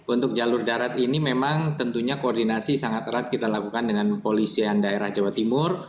untuk jalur darat ini memang tentunya koordinasi sangat erat kita lakukan dengan polisian daerah jawa timur